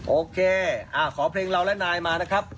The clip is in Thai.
โอเคขอเพลงเราและนายมานะครับ